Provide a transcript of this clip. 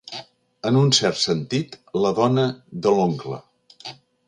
En un cert sentit, la dona de l'oncle.